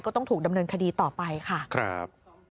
ต้องถูกดำเนินคดีต่อไปค่ะครับ